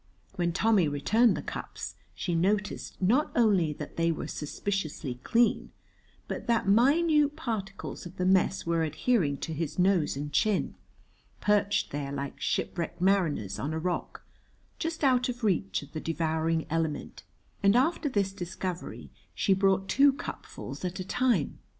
When Tommy returned the cups she noticed not only that they were suspiciously clean, but that minute particles of the mess were adhering to his nose and chin (perched there like shipwrecked mariners on a rock, just out of reach of the devouring element), and after this discovery she brought two cupfuls at a time.